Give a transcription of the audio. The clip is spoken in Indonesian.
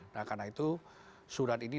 nah karena itu surat ini